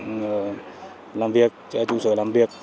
làm việc trụ sở làm việc phải nói là công an xã rất là mừng với việc đấy